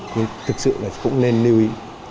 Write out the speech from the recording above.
nhưng thực sự cũng nên lưu ý